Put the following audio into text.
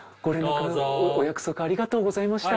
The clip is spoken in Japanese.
お約束ありがとうございました。